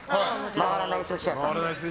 回らない寿司屋さんで。